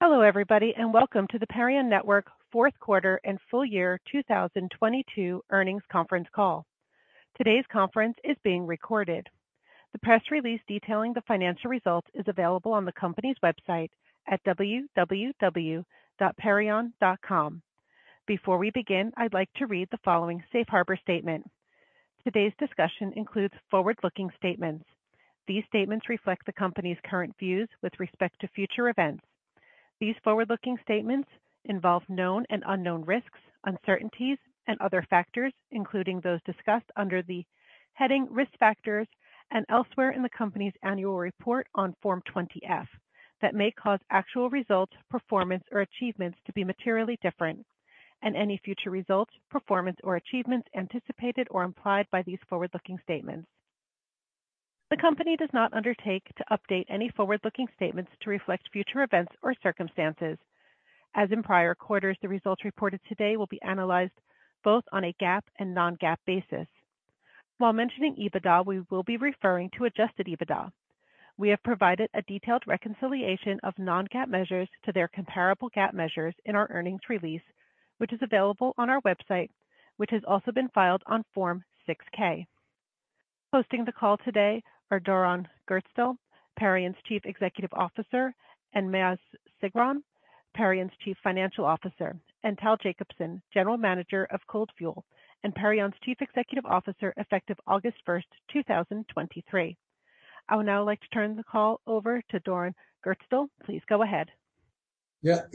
Hello, everybody, welcome to the Perion Network fourth quarter and full year 2022 earnings conference call. Today's conference is being recorded. The press release detailing the financial results is available on the company's website at www.perion.com. Before we begin, I'd like to read the following safe harbor statement. Today's discussion includes forward-looking statements. These statements reflect the company's current views with respect to future events. These forward-looking statements involve known and unknown risks, uncertainties, and other factors, including those discussed under the heading Risk Factors and elsewhere in the company's annual report on Form 20-F that may cause actual results, performance or achievements to be materially different and any future results, performance or achievements anticipated or implied by these forward-looking statements. The company does not undertake to update any forward-looking statements to reflect future events or circumstances. As in prior quarters, the results reported today will be analyzed both on a GAAP and non-GAAP basis. While mentioning EBITDA, we will be referring to adjusted EBITDA. We have provided a detailed reconciliation of non-GAAP measures to their comparable GAAP measures in our earnings release, which is available on our website, which has also been filed on Form 6-K. Hosting the call today are Doron Gerstel, Perion's Chief Executive Officer, and Maoz Sigron, Perion's Chief Financial Officer, and Tal Jacobson, General Manager of CodeFuel and Perion's Chief Executive Officer effective August 1, 2023. I would now like to turn the call over to Doron Gerstel. Please go ahead.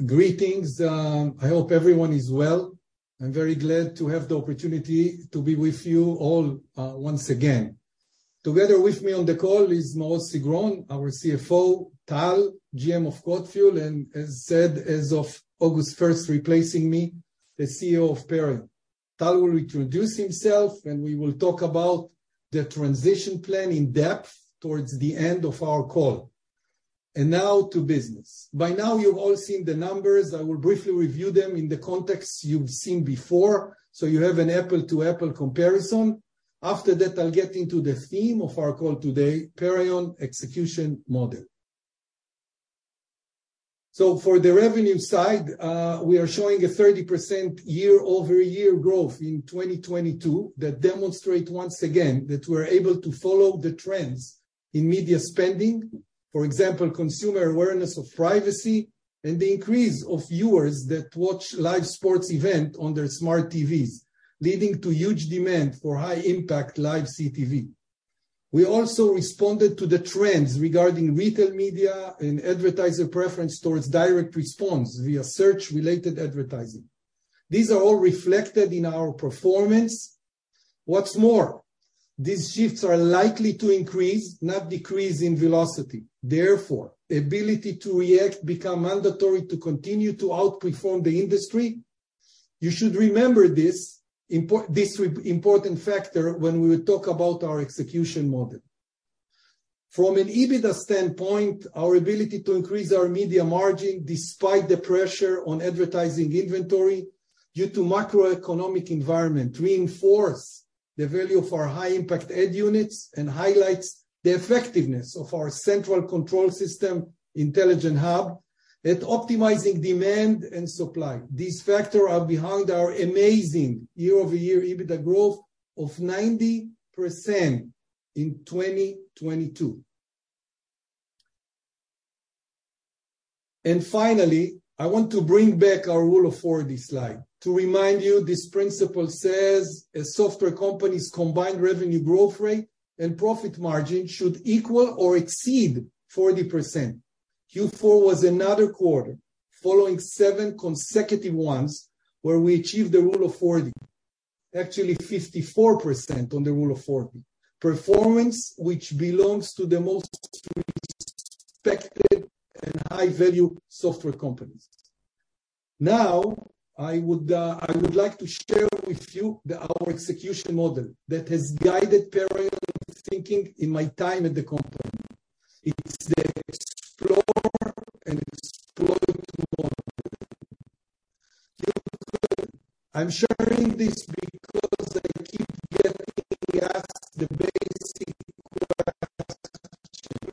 Greetings. I hope everyone is well. I'm very glad to have the opportunity to be with you all once again. Together with me on the call is Maoz Sigron, our CFO, Tal, GM of CodeFuel, and as said as of August 1, replacing me, the CEO of Perion. Tal will introduce himself, and we will talk about the transition plan in depth towards the end of our call. Now to business. By now, you've all seen the numbers. I will briefly review them in the context you've seen before, so you have an apple-to-apple comparison. After that, I'll get into the theme of our call today, Perion Execution Model. For the revenue side, we are showing a 30% year-over-year growth in 2022 that demonstrate once again that we're able to follow the trends in media spending. For example, consumer awareness of privacy and the increase of viewers that watch live sports event on their smart TVs, leading to huge demand for high impact live CTV. We also responded to the trends regarding retail media and advertiser preference towards direct response via search-related advertising. These are all reflected in our performance. What's more, these shifts are likely to increase, not decrease in velocity. Therefore, ability to react become mandatory to continue to outperform the industry. You should remember this important factor when we talk about our execution model. From an EBITDA standpoint, our ability to increase our media margin despite the pressure on advertising inventory due to macroeconomic environment reinforce the value of our high impact ad units and highlights the effectiveness of our central control system, Intelligent HUB, at optimizing demand and supply. These factors are behind our amazing year-over-year EBITDA growth of 90% in 2022. Finally, I want to bring back our Rule of 40 slide. To remind you, this principle says a software company's combined revenue growth rate and profit margin should equal or exceed 40%. Q4 was another quarter following seven consecutive ones where we achieved the Rule of 40. Actually 54% on the Rule of 40. Performance, which belongs to the most respected and high-value software companies. I would like to share with you our execution model that has guided Perion thinking in my time at the company. It's the explore and exploit model. I'm sharing this because I keep getting asked the basic question, how we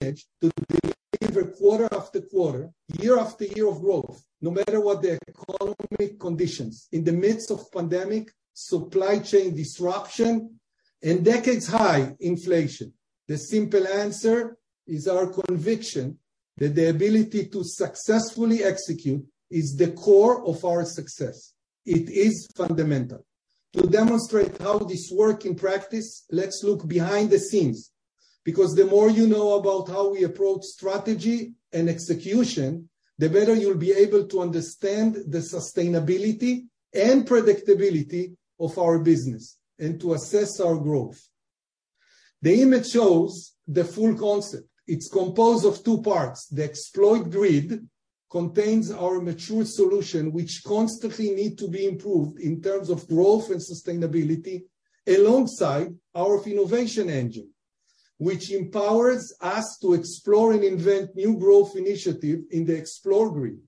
manage to deliver quarter after quarter, year after year of growth, no matter what the economic conditions. In the midst of pandemic, supply chain disruption, and decades-high inflation. The simple answer is our conviction that the ability to successfully execute is the core of our success. It is fundamental. To demonstrate how this work in practice, let's look behind the scenes, because the more you know about how we approach strategy and execution, the better you'll be able to understand the sustainability and predictability of our business and to assess our growth. The image shows the full concept. It's composed of two parts. The Exploit Grid contains our mature solution, which constantly need to be improved in terms of growth and sustainability, alongside our innovation engine, which empowers us to explore and invent new growth initiative in the Explore Grid.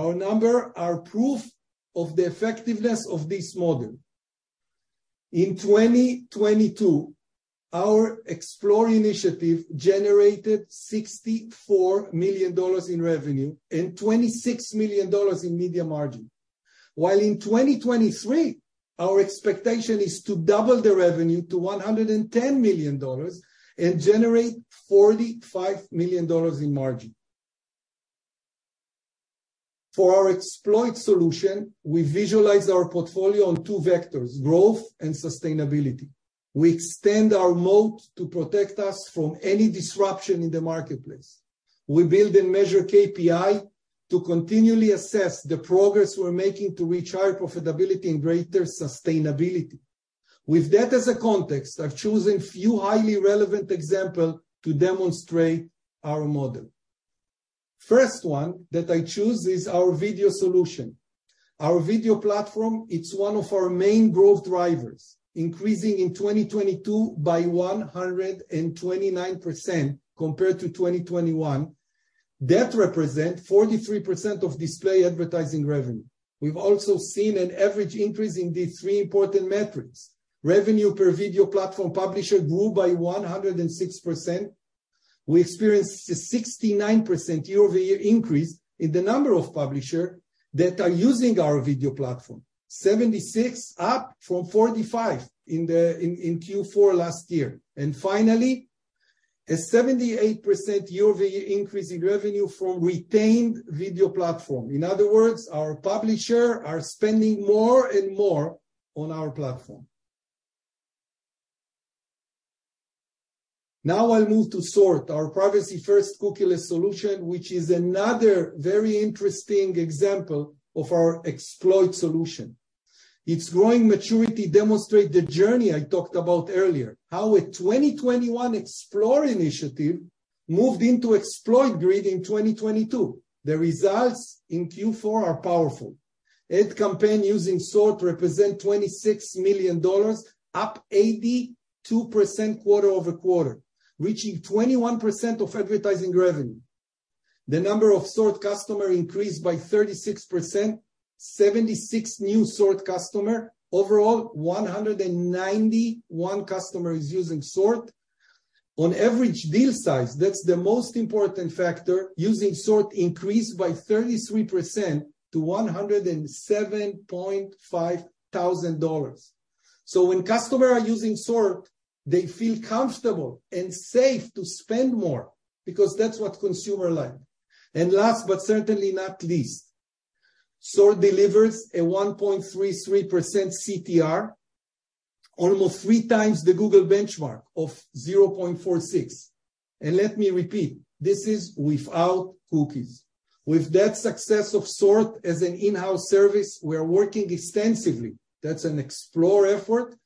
Our number are proof of the effectiveness of this model. In 2022, our explore initiative generated $64 million in revenue and $26 million in media margin. In 2023, our expectation is to double the revenue to $110 million and generate $45 million in margin. For our exploit solution, we visualize our portfolio on two vectors, growth and sustainability. We extend our moat to protect us from any disruption in the marketplace. We build and measure KPI to continually assess the progress we're making to reach higher profitability and greater sustainability. With that as a context, I've chosen few highly relevant example to demonstrate our model. First one that I choose is our video solution. Our video platform, it's one of our main growth drivers, increasing in 2022 by 129% compared to 2021. That represent 43% of display advertising revenue. We've also seen an average increase in these three important metrics. Revenue per video platform publisher grew by 106%. We experienced a 69% year-over-year increase in the number of publisher that are using our video platform. 76 up from 45 in Q4 last year. Finally, a 78% year-over-year increase in revenue from retained video platform. In other words, our publisher are spending more and more on our platform. I'll move to SORT, our privacy-first cookieless solution, which is another very interesting example of our exploit solution. Its growing maturity demonstrate the journey I talked about earlier, how a 2021 explore initiative moved into exploit grid in 2022. The results in Q4 are powerful. Ad campaign using SORT represent $26 million, up 82% quarter-over-quarter, reaching 21% of advertising revenue. The number of SORT customer increased by 36%, 76% new SORT customer. Overall, 191 customers using SORT. On average deal size, that's the most important factor, using SORT increased by 33% to $107.5 thousand. When customer are using SORT, they feel comfortable and safe to spend more because that's what consumer like. Last, but certainly not least, SORT delivers a 1.33% CTR, almost 3x the Google benchmark of 0.46. Let me repeat, this is without cookies. With that success of SORT as an in-house service, we are working extensively, that's an explore effort,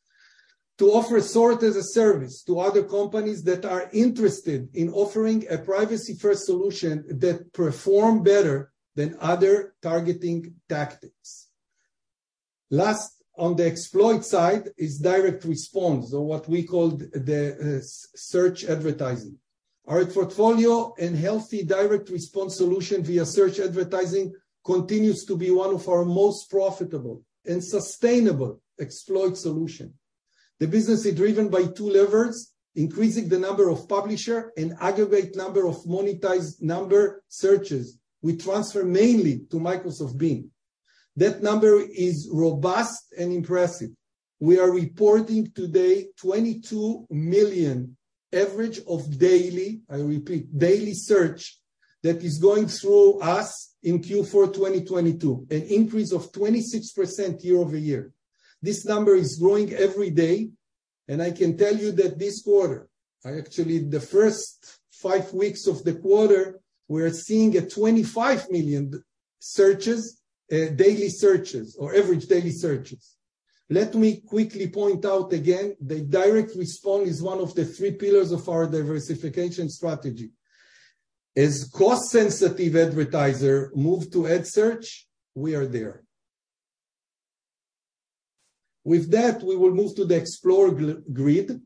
to offer SORT as a service to other companies that are interested in offering a privacy-first solution that perform better than other targeting tactics. Last on the exploit side is direct response or what we call the search advertising. Our portfolio and healthy direct response solution via search advertising continues to be one of our most profitable and sustainable exploit solution. The business is driven by two levers, increasing the number of publisher and aggregate number of monetized number searches we transfer mainly to Microsoft Bing. That number is robust and impressive. We are reporting today 22 million average of daily, I repeat, daily search that is going through us in Q4 2022, an increase of 26% year-over-year. This number is growing every day. I can tell you that this quarter, actually the first five weeks of the quarter, we're seeing 25 million searches, daily searches or average daily searches. Let me quickly point out again that direct response is one of the three pillars of our diversification strategy. As cost-sensitive advertisers move to ad search, we are there. We will move to the explore grid.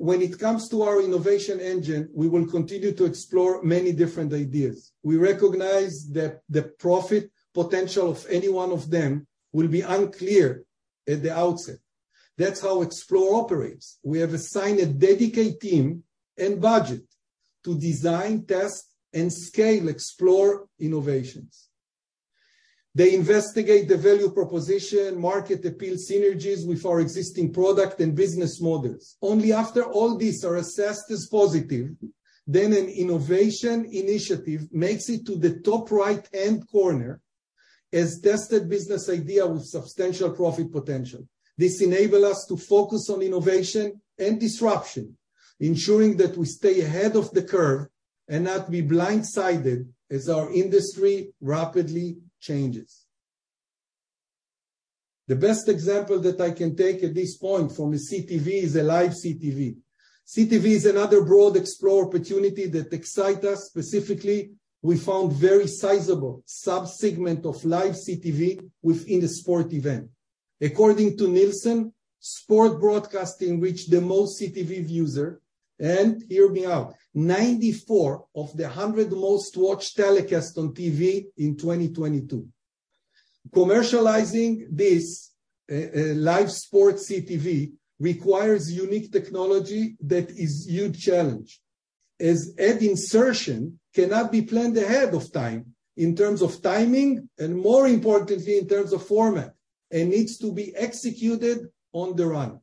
When it comes to our innovation engine, we will continue to explore many different ideas. We recognize that the profit potential of any one of them will be unclear at the outset. That's how explore operates. We have assigned a dedicated team and budget to design, test, and scale explore innovations. They investigate the value proposition, market appeal, synergies with our existing product and business models. Only after all these are assessed as positive, then an innovation initiative makes it to the top right-hand corner as tested business idea with substantial profit potential. This enable us to focus on innovation and disruption, ensuring that we stay ahead of the curve and not be blindsided as our industry rapidly changes. The best example that I can take at this point from a CTV is a live CTV. CTV is another broad explore opportunity that excite us. Specifically, we found very sizable subsegment of live CTV within a sport event. According to Nielsen, sport broadcasting reach the most CTV user. Hear me out, 94 of the 100 most watched telecast on TV in 2022. Commercializing this live sports CTV requires unique technology that is huge challenge, as ad insertion cannot be planned ahead of time in terms of timing and more importantly in terms of format, and needs to be executed on the run.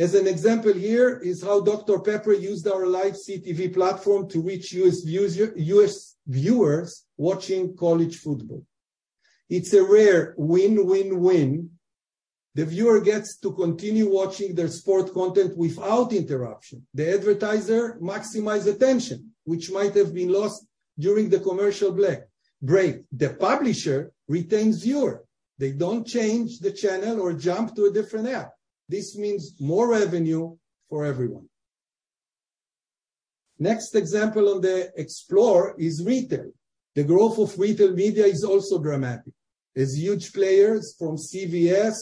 As an example, here is how Dr. Pepper used our live CTV platform to reach US viewers watching college football. It's a rare win-win-win. The viewer gets to continue watching their sport content without interruption. The advertiser maximize attention, which might have been lost during the commercial break. The publisher retains viewer. They don't change the channel or jump to a different app. This means more revenue for everyone. Next example on the explore is retail. The growth of retail media is also dramatic, as huge players from CVS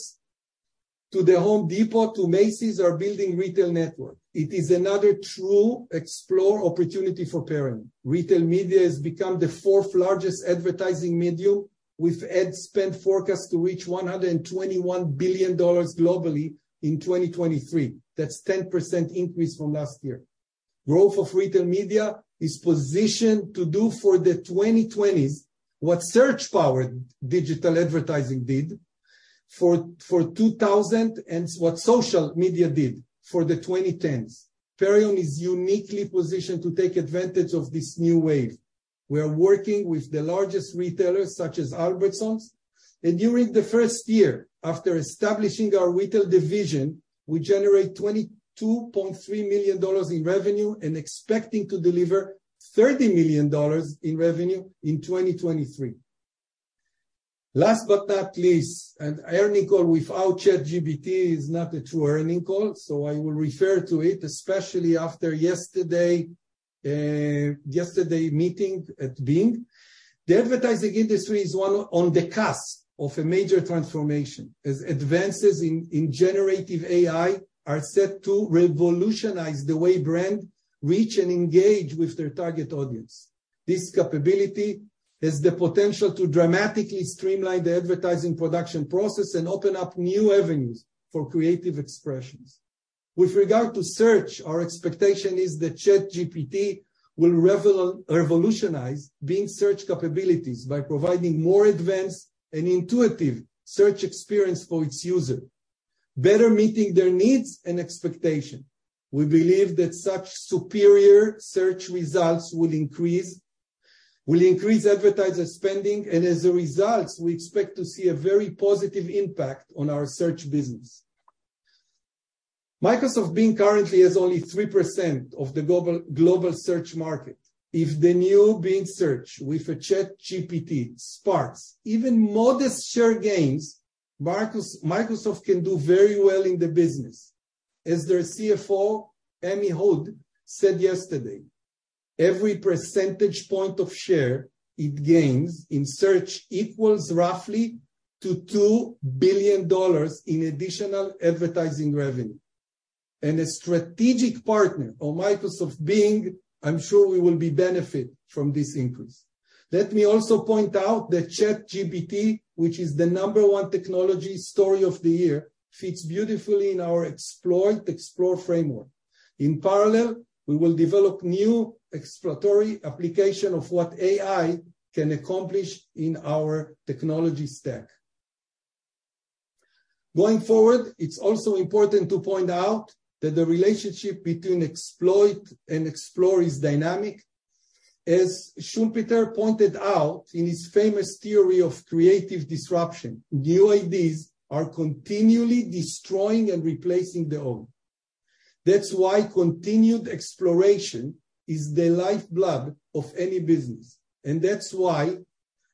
to The Home Depot to Macy's are building retail network. It is another true explore opportunity for Perion. Retail media has become the fourth-largest advertising medium, with ad spend forecast to reach $121 billion globally in 2023. That's 10% increase from last year. Growth of retail media is positioned to do for the 2020s what search powered digital advertising did for 2000 and what social media did for the 2010s. Perion is uniquely positioned to take advantage of this new wave. We are working with the largest retailers such as Albertsons, and during the first year after establishing our retail division, we generate $22.3 million in revenue and expecting to deliver $30 million in revenue in 2023. Last but not least, an earnings call without ChatGPT is not a true earnings call. I will refer to it, especially after yesterday meeting at Bing. The advertising industry is, well, on the cusp of a major transformation, as advances in generative AI are set to revolutionize the way brand reach and engage with their target audience. This capability has the potential to dramatically streamline the advertising production process and open up new avenues for creative expressions. With regard to search, our expectation is that ChatGPT will revolutionize Bing search capabilities by providing more advanced and intuitive search experience for its user, better meeting their needs and expectation. We believe that such superior search results will increase advertiser spending, as a result, we expect to see a very positive impact on our search business. Microsoft Bing currently has only 3% of the global search market. If the new Bing search with a ChatGPT sparks even modest share gains, Microsoft can do very well in the business. As their CFO, Amy Hood, said yesterday, "Every percentage point of share it gains in search equals roughly to $2 billion in additional advertising revenue." A strategic partner of Microsoft Bing, I'm sure we will be benefit from this increase. Let me also point out that ChatGPT, which is the number one technology story of the year, fits beautifully in our exploit, explore framework. In parallel, we will develop new exploratory application of what AI can accomplish in our technology stack. Going forward, it's also important to point out that the relationship between exploit and explore is dynamic. As Schumpeter pointed out in his famous theory of creative disruption, new ideas are continually destroying and replacing the old. That's why continued exploration is the lifeblood of any business. That's why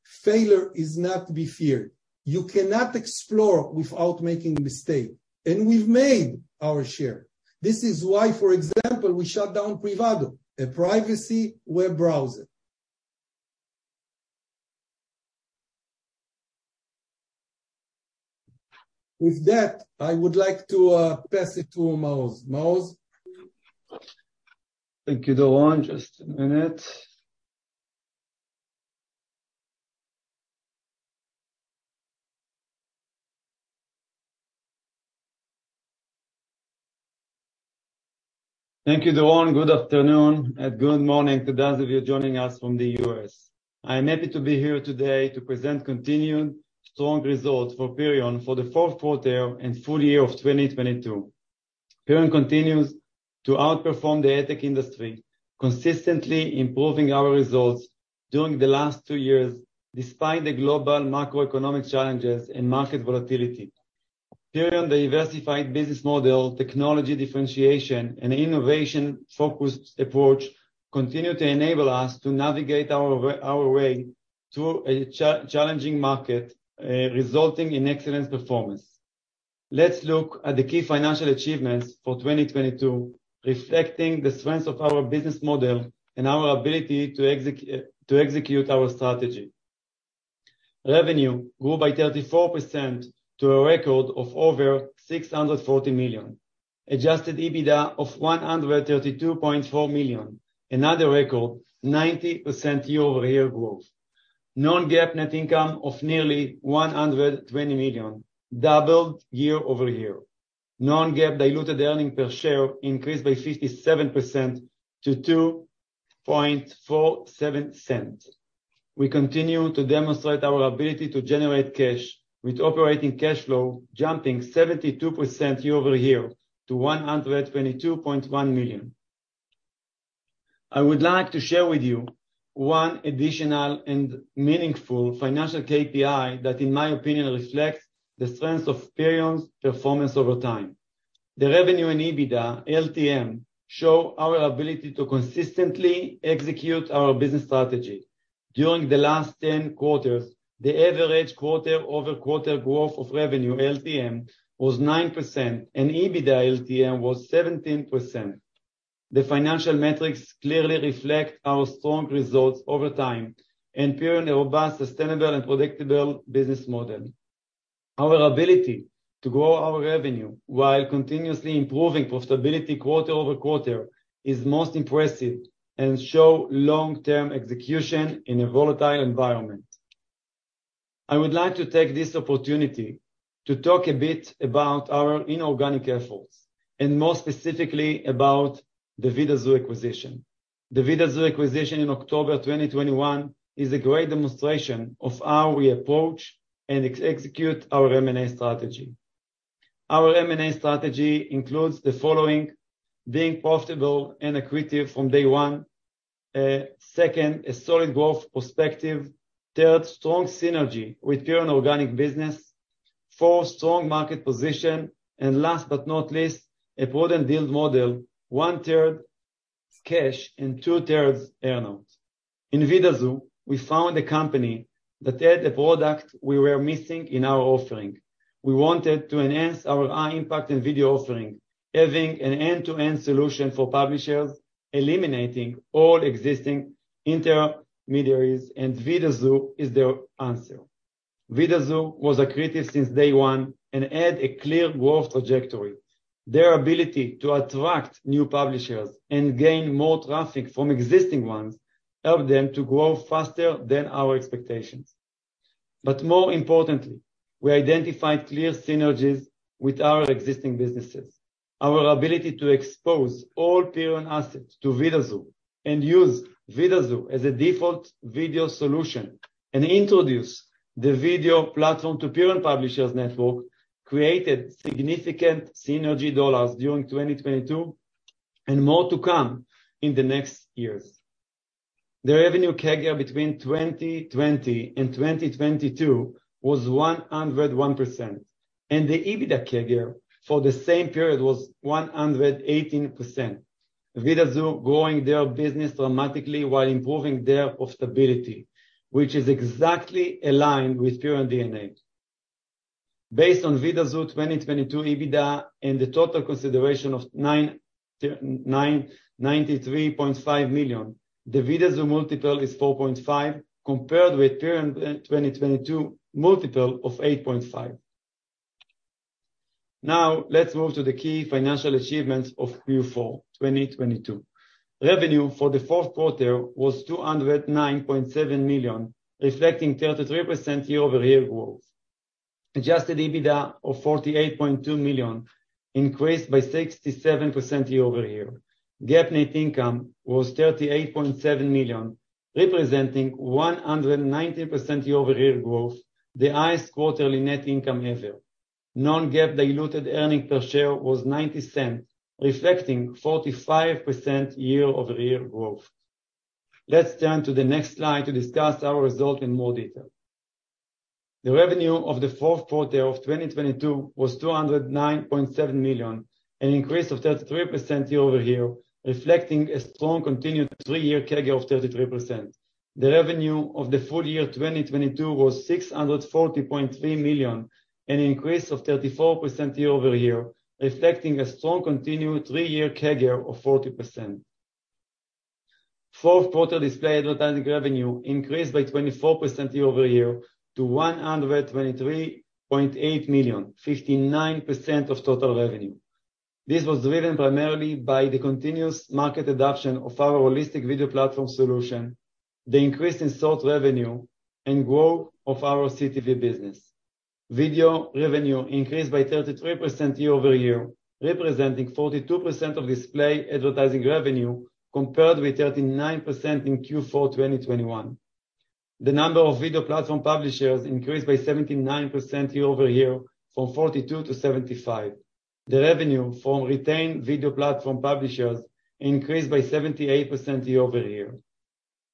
failure is not to be feared. You cannot explore without making a mistake. We've made our share. This is why, for example, we shut down Privado, a privacy web browser. With that, I would like to pass it to Maoz. Maoz? Thank you, Doron. Just a minute. Thank you, Doron. Good afternoon, good morning to those of you joining us from the U.S. I am happy to be here today to present continued strong results for Perion for the fourth quarter and full year of 2022. Perion continues to outperform the ad tech industry, consistently improving our results during the last two years, despite the global macroeconomic challenges and market volatility. Perion diversified business model, technology differentiation, and innovation-focused approach continue to enable us to navigate our way through a challenging market, resulting in excellent performance. Let's look at the key financial achievements for 2022, reflecting the strengths of our business model and our ability to execute our strategy. Revenue grew by 34% to a record of over $640 million. Adjusted EBITDA of $132.4 million, another record 90% year-over-year growth. Non-GAAP net income of nearly $120 million, doubled year-over-year. Non-GAAP diluted earning per share increased by 57% to $0.0247. We continue to demonstrate our ability to generate cash with operating cash flow jumping 72% year-over-year to $122.1 million. I would like to share with you one additional and meaningful financial KPI that, in my opinion, reflects the strength of Perion's performance over time. The revenue and EBITDA LTM show our ability to consistently execute our business strategy. During the last 10 quarters, the average quarter-over-quarter growth of revenue LTM was 9% and EBITDA LTM was 17%. The financial metrics clearly reflect our strong results over time and Perion robust, sustainable, and predictable business model. Our ability to grow our revenue while continuously improving profitability quarter-over-quarter is most impressive and show long-term execution in a volatile environment. I would like to take this opportunity to talk a bit about our inorganic efforts, and more specifically about the Vidazoo acquisition. The Vidazoo acquisition in October 2021 is a great demonstration of how we approach and execute our M&A strategy. Our M&A strategy includes the following, being profitable and accretive from day one. Second, a solid growth perspective. Third, strong synergy with Perion organic business. Four, strong market position. Last but not least, a prudent deal model, one-third cash and two-thirds earn out. In Vidazoo, we found a company that had a product we were missing in our offering. We wanted to enhance our high impact and video offering, having an end-to-end solution for publishers, eliminating all existing intermediaries. Vidazoo is their answer. Vidazoo was accretive since day one and had a clear growth trajectory. Their ability to attract new publishers and gain more traffic from existing ones helped them to grow faster than our expectations. More importantly, we identified clear synergies with our existing businesses. Our ability to expose all Perion assets to Vidazoo and use Vidazoo as a default video solution and introduce the video platform to Perion Publishers Network created significant synergy dollars during 2022. More to come in the next years. The revenue CAGR between 2020 and 2022 was 101%. The EBITDA CAGR for the same period was 118%. Vidazoo growing their business dramatically while improving their profitability, which is exactly aligned with Perion DNA. Based on Vidazoo 2022 EBITDA and the total consideration of $93.5 million, the Vidazoo multiple is 4.5 compared with Perion 2022 multiple of 8.5. Let's move to the key financial achievements of Q4 2022. Revenue for the fourth quarter was $209.7 million, reflecting 33% year-over-year growth. Adjusted EBITDA of $48.2 million increased by 67% year-over-year. GAAP net income was $38.7 million, representing 190% year-over-year growth, the highest quarterly net income ever. Non-GAAP diluted earning per share was $0.90, reflecting 45% year-over-year growth. Let's turn to the next slide to discuss our result in more detail. The revenue of the fourth quarter of 2022 was $209.7 million, an increase of 33% year-over-year, reflecting a strong continued three-year CAGR of 33%. The revenue of the full year 2022 was $640.3 million, an increase of 34% year-over-year, reflecting a strong continued three-year CAGR of 40%. Fourth quarter display advertising revenue increased by 24% year-over-year to $123.8 million, 59% of total revenue. This was driven primarily by the continuous market adoption of our holistic video platform solution, the increase in SORT revenue, and growth of our CTV business. Video revenue increased by 33% year-over-year, representing 42% of display advertising revenue compared with 39% in Q4 2021. The number of video platform publishers increased by 79% year-over-year from 42 to 75. The revenue from retained video platform publishers increased by 78% year-over-year.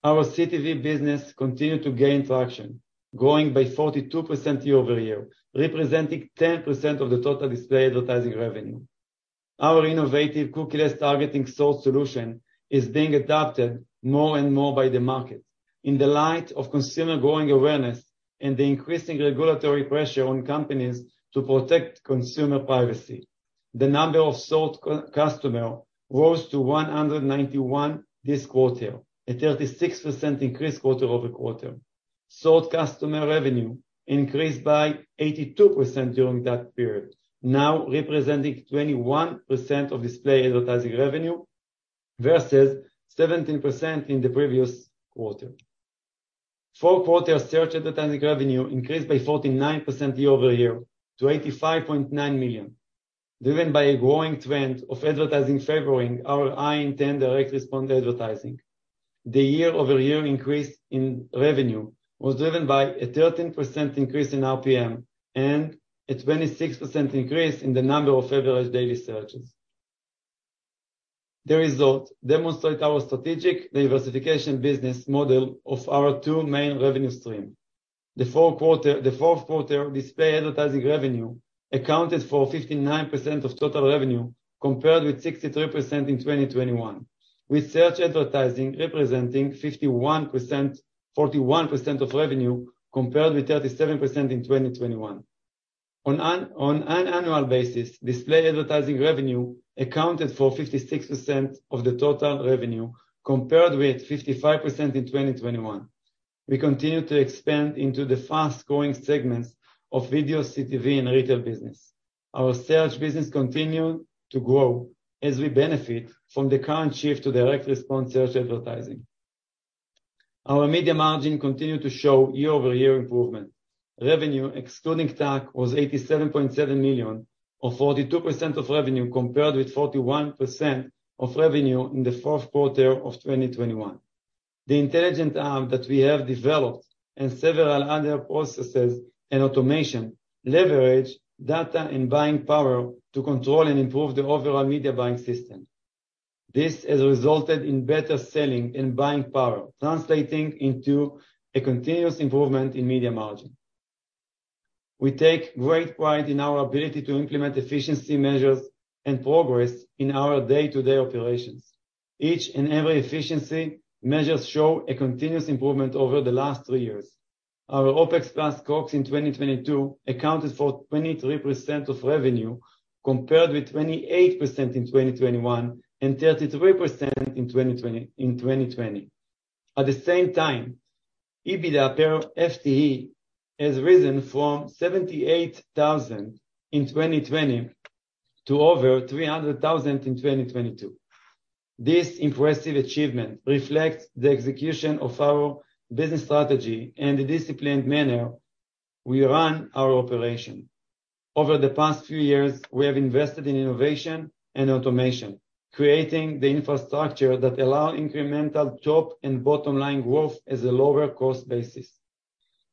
Our CTV business continued to gain traction, growing by 42% year-over-year, representing 10% of the total display advertising revenue. Our innovative cookieless targeting SORT solution is being adopted more and more by the market in the light of consumer growing awareness and the increasing regulatory pressure on companies to protect consumer privacy. The number of sold customer rose to 191 this quarter, a 36% increase quarter-over-quarter. Sold customer revenue increased by 82% during that period, now representing 21% of display advertising revenue versus 17% in the previous quarter. Fourth quarter search advertising revenue increased by 49% year-over-year to $85.9 million, driven by a growing trend of advertising favoring our high intent direct response advertising. The year-over-year increase in revenue was driven by a 13% increase in RPM and a 26% increase in the number of average daily searches. The result demonstrate our strategic diversification business model of our two main revenue stream. The fourth quarter display advertising revenue accounted for 59% of total revenue, compared with 63% in 2021, with search advertising representing 41% of revenue compared with 37% in 2021. On an annual basis, display advertising revenue accounted for 56% of the total revenue compared with 55% in 2021. We continue to expand into the fast-growing segments of video CTV and retail business. Our search business continue to grow as we benefit from the current shift to direct response search advertising. Our media margin continue to show year-over-year improvement. Revenue excluding tax was $87.7 million or 42% of revenue compared with 41% of revenue in the fourth quarter of 2021. The intelligent arm that we have developed and several other processes and automation leverage data and buying power to control and improve the overall media buying system. This has resulted in better selling and buying power, translating into a continuous improvement in media margin. We take great pride in our ability to implement efficiency measures and progress in our day-to-day operations. Each and every efficiency measures show a continuous improvement over the last three years. Our OpEx plus COGS in 2022 accounted for 23% of revenue compared with 28% in 2021 and 33% in 2020. At the same time, EBITDA per FTE has risen from $78,000 in 2020 to over $300,000 in 2022. This impressive achievement reflects the execution of our business strategy and the disciplined manner we run our operation. Over the past few years, we have invested in innovation and automation, creating the infrastructure that allow incremental top and bottom line growth as a lower cost basis.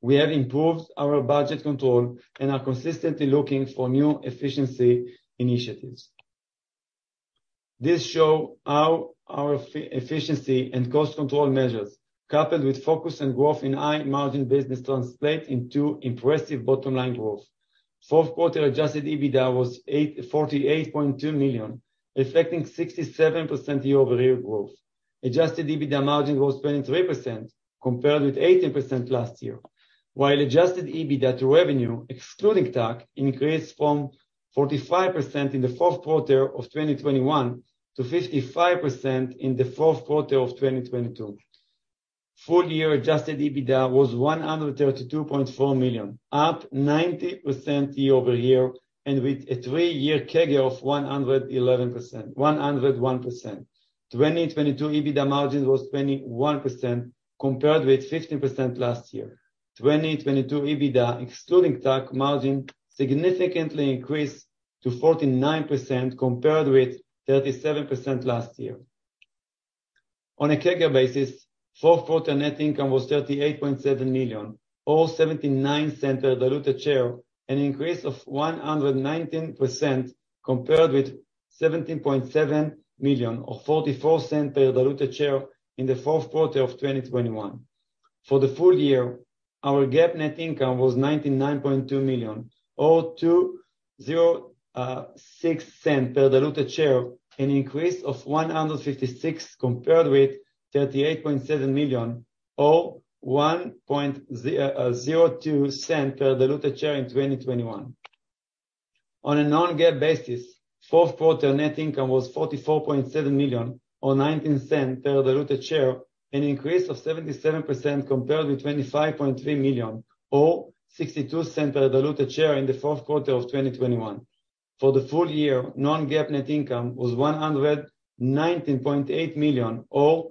We have improved our budget control and are consistently looking for new efficiency initiatives. This show our efficiency and cost control measures, coupled with focus on growth in high margin business translate into impressive bottom line growth. Fourth quarter adjusted EBITDA was $48.2 million, reflecting 67% year-over-year growth. Adjusted EBITDA margin was 23% compared with 18% last year. While adjusted EBITDA to revenue excluding tax increased from 45% in the fourth quarter of 2021 to 55% in the fourth quarter of 2022. Full year adjusted EBITDA was $132.4 million, up 90% year-over-year and with a three-year CAGR of 101%. 2022 EBITDA margin was 21% compared with 15% last year. 2022 EBITDA excluding tax margin significantly increased to 49% compared with 37% last year. On a CAGR basis, fourth quarter net income was $38.7 million, or $0.79 per diluted share, an increase of 119% compared with $17.7 million or $0.44 per diluted share in the fourth quarter of 2021. For the full year, our GAAP net income was $99.2 million, or $2.06 per diluted share, an increase of 156% compared with $38.7 million, or $1.02 per diluted share in 2021. On a non-GAAP basis, fourth quarter net income was $44.7 million or $0.19 per diluted share, an increase of 77% compared with $25.3 million or $0.62 per diluted share in the fourth quarter of 2021. For the full year, non-GAAP net income was $119.8 million or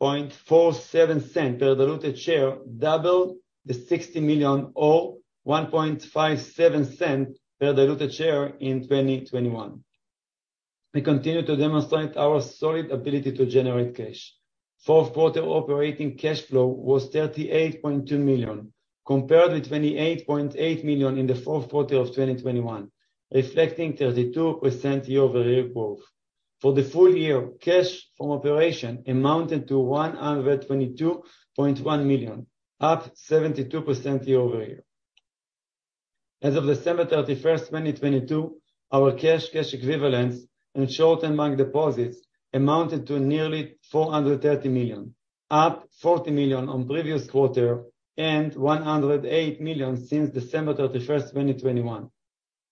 $2.47 per diluted share, double the $60 million or $1.57 per diluted share in 2021. We continue to demonstrate our solid ability to generate cash. Fourth quarter operating cash flow was $38.2 million, compared with $28.8 million in the fourth quarter of 2021, reflecting 32% year-over-year growth. For the full year, cash from operation amounted to $122.1 million, up 72% year-over-year. As of December 31, 2022, our cash equivalents and short-term bank deposits amounted to nearly $430 million. Up $40 million on previous quarter and $108 million since December 31, 2021.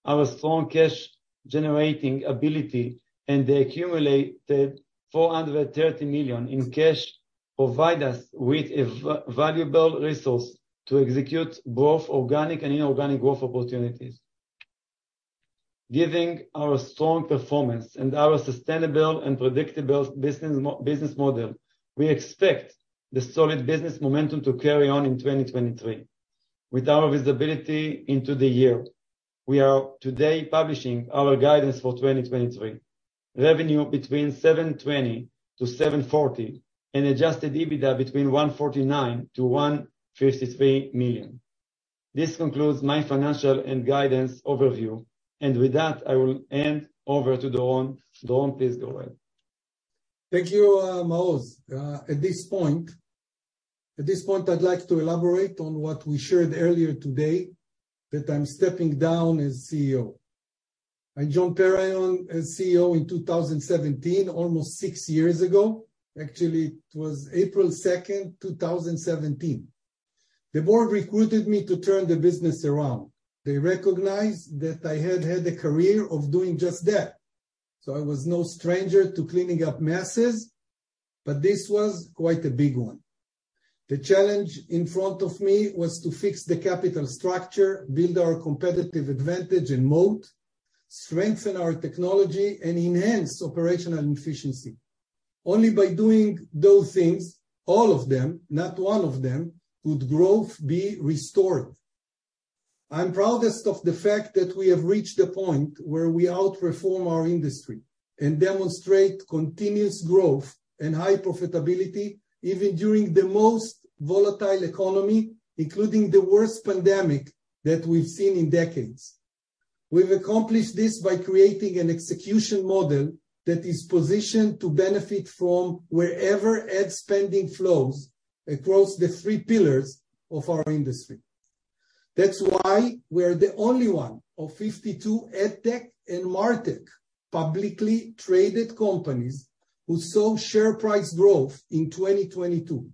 Our strong cash generating ability and the accumulated $430 million in cash provide us with a valuable resource to execute both organic and inorganic growth opportunities. Given our strong performance and our sustainable and predictable business model, we expect the solid business momentum to carry on in 2023. With our visibility into the year, we are today publishing our guidance for 2023. Revenue between $720 million-$740 million, and adjusted EBITDA between $149 million-$153 million. This concludes my financial and guidance overview, and with that, I will hand over to Doron. Doron, please go ahead. Thank you, Maoz. At this point, I'd like to elaborate on what we shared earlier today that I'm stepping down as CEO. I joined Perion as CEO in 2017, almost six years ago. Actually, it was April second, 2017. The board recruited me to turn the business around. They recognized that I had a career of doing just that, so I was no stranger to cleaning up messes, but this was quite a big one. The challenge in front of me was to fix the capital structure, build our competitive advantage and moat, strengthen our technology, and enhance operational efficiency. Only by doing those things, all of them, not one of them, could growth be restored. I'm proudest of the fact that we have reached a point where we out-perform our industry and demonstrate continuous growth and high profitability, even during the most volatile economy, including the worst pandemic that we've seen in decades. We've accomplished this by creating an execution model that is positioned to benefit from wherever ad spending flows across the three pillars of our industry. That's why we're the only one of 52 ad tech and martech publicly traded companies who saw share price growth in 2022.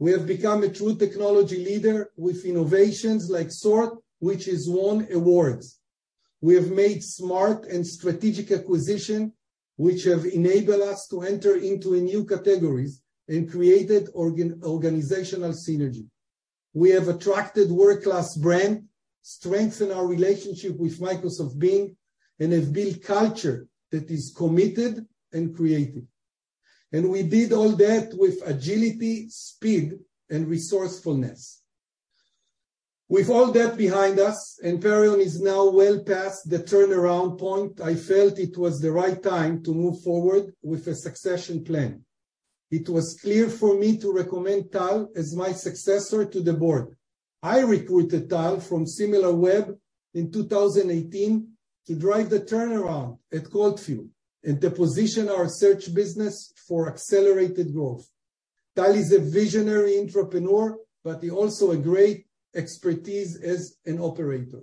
We have become a true technology leader with innovations like SORT, which has won awards. We have made smart and strategic acquisition, which have enabled us to enter into new categories and created organizational synergy. We have attracted world-class brand, strengthened our relationship with Microsoft Bing, and have built culture that is committed and creative. We did all that with agility, speed, and resourcefulness. With all that behind us, and Perion is now well past the turnaround point, I felt it was the right time to move forward with a succession plan. It was clear for me to recommend Tal as my successor to the board. I recruited Tal from Similarweb in 2018 to drive the turnaround at CodeFuel and to position our search business for accelerated growth. Tal is a visionary entrepreneur, but he also a great expertise as an operator.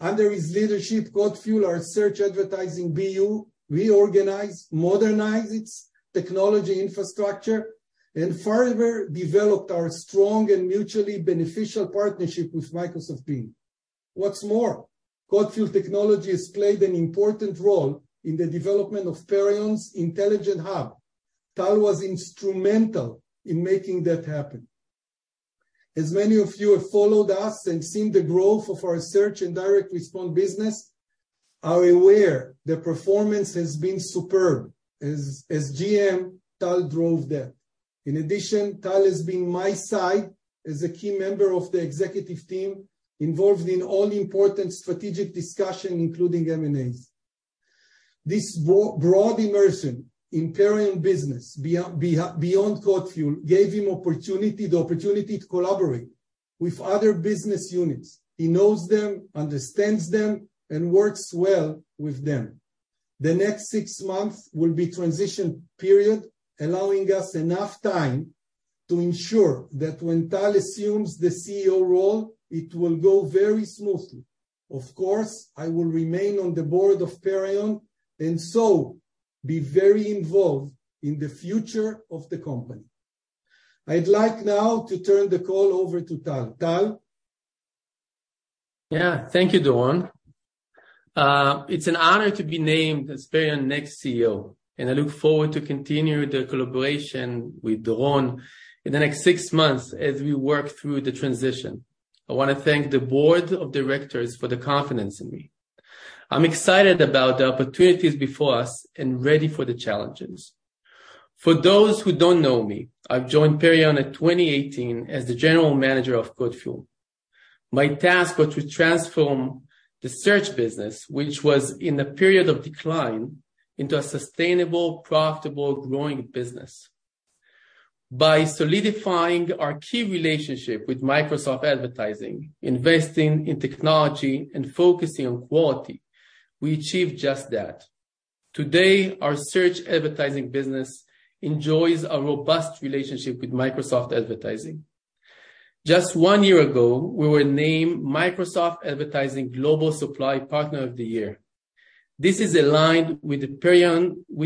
Under his leadership, CodeFuel, our search advertising BU, reorganized, modernized its technology infrastructure, and further developed our strong and mutually beneficial partnership with Microsoft Bing. What's more? CodeFuel technology has played an important role in the development of Perion's Intelligent HUB. Tal was instrumental in making that happen. As many of you have followed us and seen the growth of our search and direct response business, are aware the performance has been superb. As GM, Tal drove that. In addition, Tal has been by my side as a key member of the executive team, involved in all important strategic discussion, including M&A. This broad immersion in Perion business beyond CodeFuel gave him the opportunity to collaborate with other business units. He knows them, understands them, and works well with them. The next six months will be transition period, allowing us enough time to ensure that when Tal assumes the CEO role, it will go very smoothly. Of course, I will remain on the board of Perion, and so be very involved in the future of the company. I'd like now to turn the call over to Tal. Tal? Thank you, Doron. It's an honor to be named as Perion next CEO, and I look forward to continue the collaboration with Doron in the next six months as we work through the transition. I wanna thank the board of directors for the confidence in me. I'm excited about the opportunities before us and ready for the challenges. For those who don't know me, I've joined Perion in 2018 as the general manager of CodeFuel. My task was to transform the search business, which was in a period of decline, into a sustainable, profitable, growing business. By solidifying our key relationship with Microsoft Advertising, investing in technology, and focusing on quality, we achieved just that. Today, our search advertising business enjoys a robust relationship with Microsoft Advertising. Just one year ago, we were named Microsoft Advertising Global Supply Partner of the Year. This is aligned with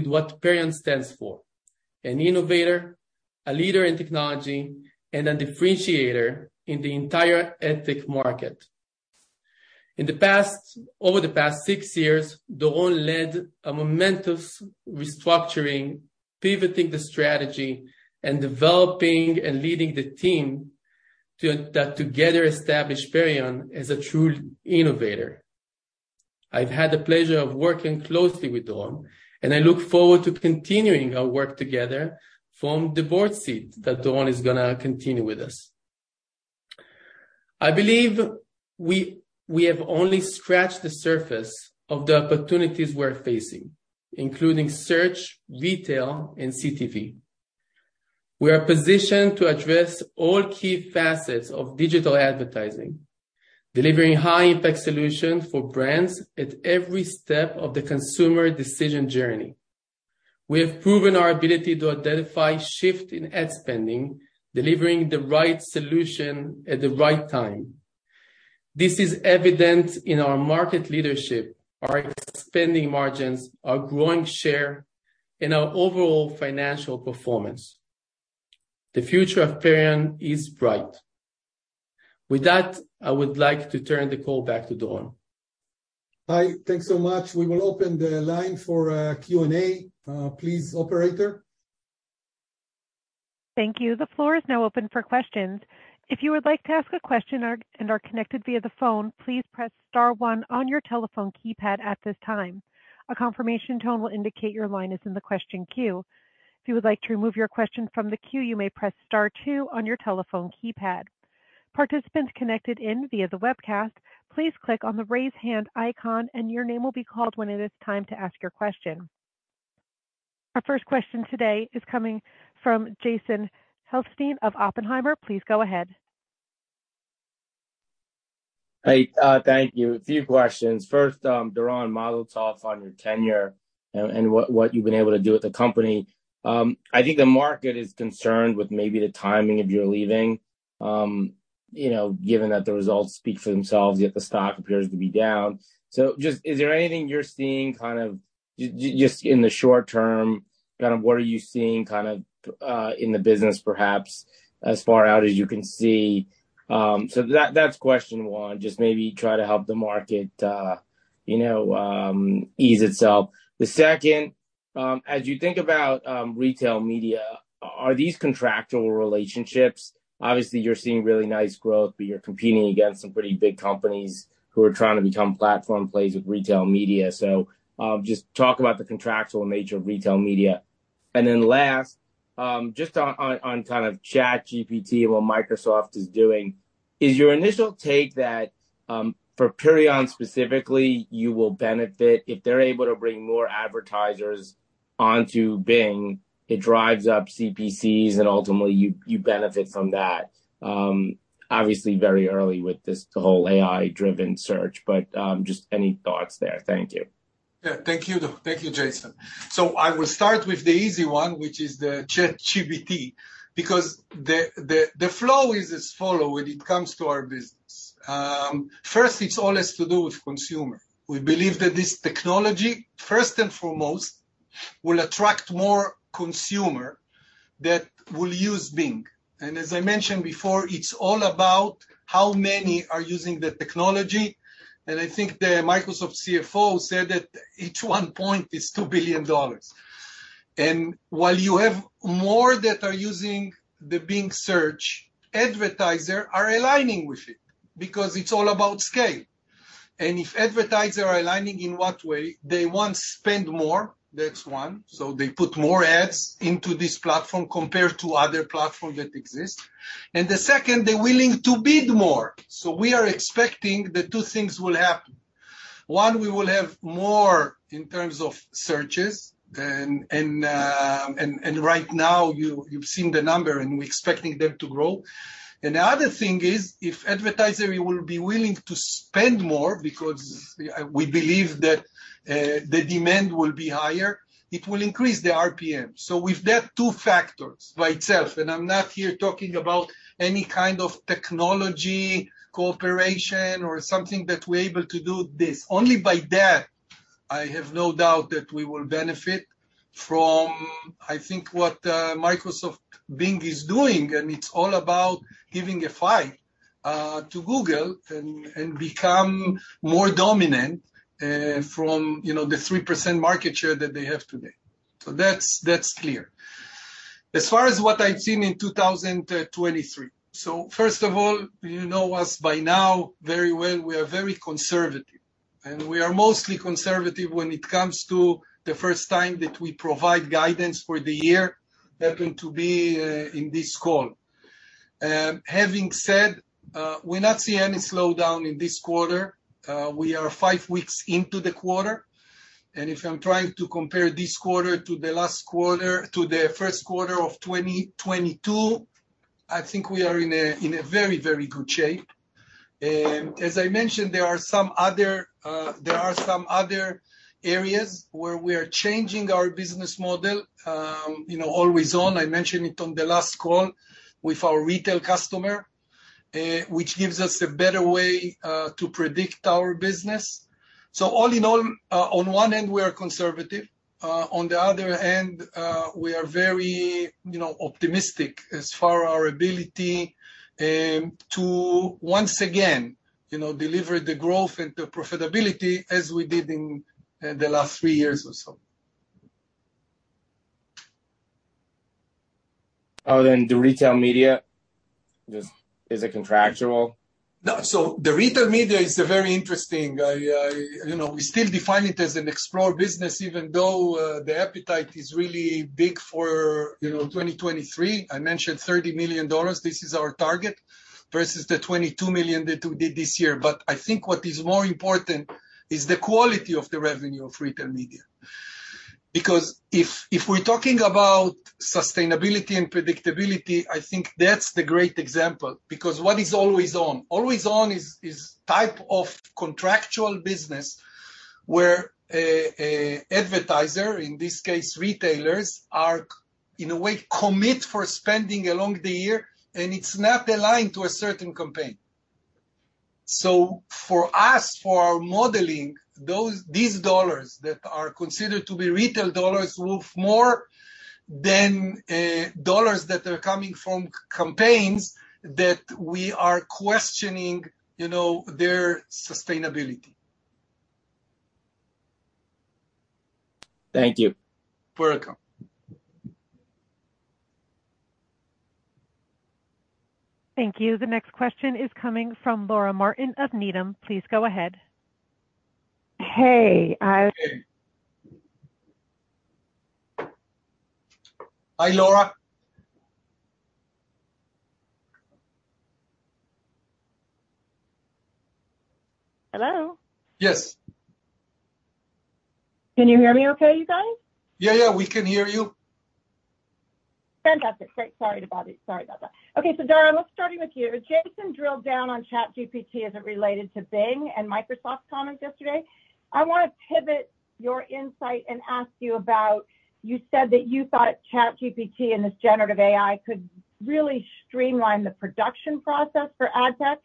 what Perion stands for, an innovator, a leader in technology, and a differentiator in the entire ad tech market. Over the past six years, Doron led a momentous restructuring, pivoting the strategy, and developing and leading the team that together established Perion as a true innovator. I've had the pleasure of working closely with Doron, and I look forward to continuing our work together from the board seat that Doron is gonna continue with us. I believe we have only scratched the surface of the opportunities we're facing, including search, retail, and CTV. We are positioned to address all key facets of digital advertising, delivering high-impact solutions for brands at every step of the consumer decision journey. We have proven our ability to identify shifts in ad spending, delivering the right solution at the right time. This is evident in our market leadership, our expanding margins, our growing share, and our overall financial performance. The future of Perion is bright. With that, I would like to turn the call back to Doron. Hi. Thanks so much. We will open the line for Q&A. Please, operator. Thank you. The floor is now open for questions. If you would like to ask a question and are connected via the phone, please press star one on your telephone keypad at this time. A confirmation tone will indicate your line is in the question queue. If you would like to remove your question from the queue, you may press star two on your telephone keypad. Participants connected in via the webcast, please click on the Raise Hand icon and your name will be called when it is time to ask your question. Our first question today is coming from Jason Helfstein of Oppenheimer. Please go ahead. Hey, thank you. A few questions. First, Doron, mazel tov on your tenure and what you've been able to do with the company. I think the market is concerned with maybe the timing of your leaving, you know, given that the results speak for themselves, yet the stock appears to be down. Just, is there anything you're seeing kind of just in the short term, kind of what are you seeing in the business perhaps as far out as you can see? That's question one, just maybe try to help the market, you know, ease itself. The second, as you think about retail media, are these contractual relationships? Obviously, you're seeing really nice growth, but you're competing against some pretty big companies who are trying to become platform players with retail media. Just talk about the contractual nature of retail media. Then last, just on, on kind of ChatGPT and what Microsoft is doing, is your initial take that, for Perion specifically, you will benefit if they're able to bring more advertisers onto Bing, it drives up CPCs, and ultimately you benefit from that? Obviously very early with this whole AI-driven search, but, just any thoughts there? Thank you. Thank you. Thank you, Jason. I will start with the easy one, which is the ChatGPT, because the flow is as follow when it comes to our business. First, it's all has to do with consumer. We believe that this technology, first and foremost, will attract more consumer that will use Bing. As I mentioned before, it's all about how many are using the technology. I think the Microsoft CFO said that each 1 point is $2 billion. While you have more that are using the Bing search, advertiser are aligning with it because it's all about scale. If advertiser are aligning in what way, they, one, spend more. That's one. They put more ads into this platform compared to other platform that exist. The second, they're willing to bid more. We are expecting that 2 things will happen. One, we will have more in terms of searches. Right now, you've seen the number, and we're expecting them to grow. The other thing is, if advertiser will be willing to spend more because we believe that the demand will be higher, it will increase the RPM. With that two factors by itself, and I'm not here talking about any kind of technology cooperation or something that we're able to do this. Only by that, I have no doubt that we will benefit from, I think, what Microsoft Bing is doing, and it's all about giving a fight to Google and become more dominant from, you know, the 3% market share that they have today. That's, that's clear. As far as what I've seen in 2023. First of all, you know us by now very well. We are very conservative, and we are mostly conservative when it comes to the first time that we provide guidance for the year, happen to be in this call. Having said, we're not seeing any slowdown in this quarter. We are five weeks into the quarter. If I'm trying to compare this quarter to the first quarter of 2022, I think we are in a very, very good shape. As I mentioned, there are some other areas where we are changing our business model, you know, always on. I mentioned it on the last call with our retail customer, which gives us a better way to predict our business. All in all, on one end we are conservative, on the other end, we are very, you know, optimistic as far our ability to once again, you know, deliver the growth and the profitability as we did in the last three years or so. Other than the retail media, just is it contractual? No. The retail media is a very interesting, I, you know, we still define it as an explore business, even though the appetite is really big for, you know, 2023. I mentioned $30 million, this is our target, versus the $22 million that we did this year. I think what is more important is the quality of the revenue of retail media. If we're talking about sustainability and predictability, I think that's the great example, because what is always on? Always on is type of contractual business where a advertiser, in this case retailers, are in a way commit for spending along the year, and it's not aligned to a certain campaign. For us, for our modeling, these dollars that are considered to be retail dollars worth more than dollars that are coming from campaigns that we are questioning, you know, their sustainability. Thank you. Welcome. Thank you. The next question is coming from Laura Martin of Needham. Please go ahead. Hey. Hi, Laura. Hello? Yes. Can you hear me okay, you guys? Yeah, yeah, we can hear you. Fantastic. Great. Sorry to bother you. Sorry about that. Okay, Doron, let's starting with you. Jason drilled down on ChatGPT as it related to Bing and Microsoft's comments yesterday. I wanna pivot your insight and ask you about, you said that you thought ChatGPT and this generative AI could really streamline the production process for ad tech.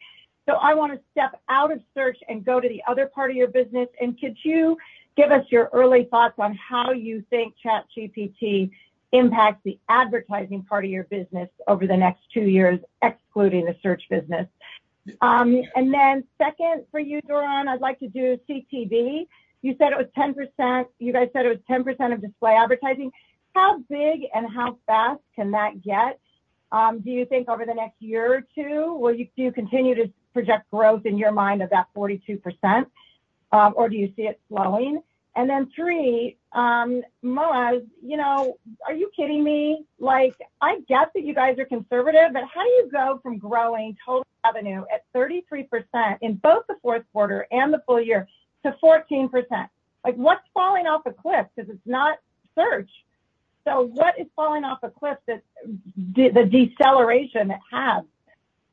I wanna step out of search and go to the other part of your business, could you give us your early thoughts on how you think ChatGPT impacts the advertising part of your business over the next two years, excluding the search business? Then second for you, Doron, I'd like to do CTV. You said it was 10% of display advertising. How big and how fast can that get, do you think over the next year or two? Do you continue to project growth in your mind of that 42%, or do you see it slowing? Three, Maoz, you know, are you kidding me? Like, I get that you guys are conservative, but how do you go from growing total revenue at 33% in both the fourth quarter and the full year to 14%? Like, what's falling off a cliff? 'Cause it's not search. What is falling off a cliff that the deceleration it has?